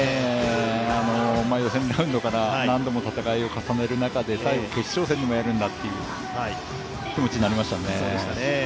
予選ラウンドから何度も戦いを重ねる中で最後、決勝戦でもやるんだという気持ちになりましたね。